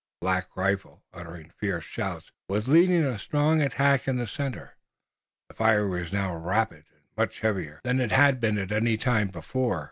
Black Rifle, uttering fierce shouts, was leading a strong attack in the center. The firing was now rapid and much heavier than it had been at any time before.